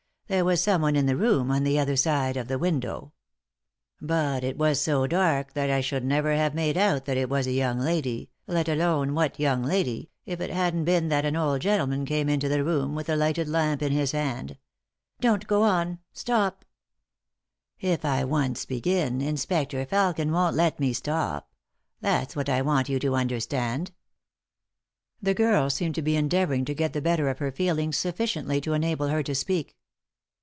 There was someone in the room on the other side of that window ; but it was so dark that I should never have made out that it was a young lady, let alone what young lady, if it hadn't been that an old gentleman came into the room with a lighted lamp in his hand "" Don't go on I stop 1 " "If I once begin, Inspector Felkin won't let me stop — that's what I want you to understand." The girl seemed to be endeavouring to get the better of her feelings sufficiently to enable her to speak.